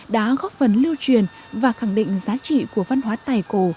đã góp phần lưu truyền và khẳng định giá trị của văn hóa tài cổ